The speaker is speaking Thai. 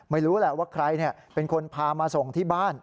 ไม่รู้แหละว่าใครเป็นคนพามาส่งที่บ้าน